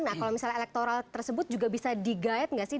nah kalau misalnya elektoral tersebut juga bisa di guide nggak sih